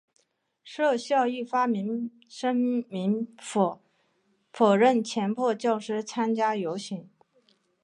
设校亦发表声明否认强迫教师参加游行。